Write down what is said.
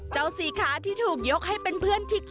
เจ้าสีค้าที่ถูกยกให้เป็นเพื่อนที่กลับมา